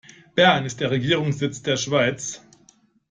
Bern ist der Regierungssitz der Schweiz.